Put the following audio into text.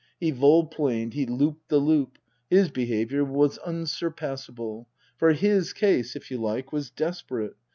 He vol planed, he looped the loop. His behaviour was unsurpassable. For his case, if you like, was desperate.